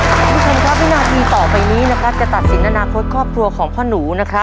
อย่างนั้นครับวินาทีต่อไปนี้จะตัดศิลป์อนาคตครอบครัวของข้าวหนู